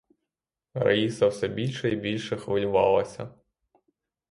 Раїса все більше і більше хвилювалася.